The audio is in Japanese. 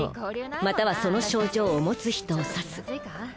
またはその症状を持つ人をさす。